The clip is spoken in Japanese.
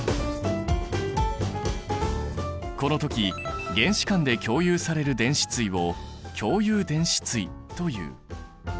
この時原子間で共有される電子対を共有電子対という。